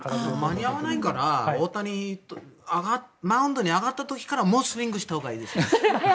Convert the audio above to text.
間に合わないから大谷がマウンドに上がった時からもうスイングしたほうがいいですね。